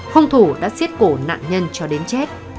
hung thủ đã xiết cổ nạn nhân cho đến chết